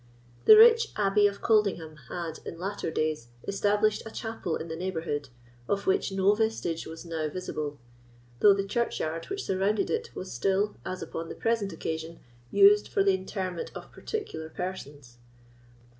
The rich Abbey of Coldinghame had, in latter days, established a chapel in the neighbourhood, of which no vestige was now visible, though the churchyard which surrounded it was still, as upon the present occasion, used for the interment of particular persons.